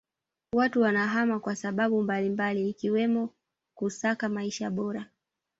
Watu wanahama kwa sababu mbalimbali ikiwemo kusaka maisha bora